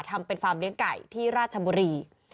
ทำเป็นฟาร์มเลี้ยงไก่ที่ราชบุรี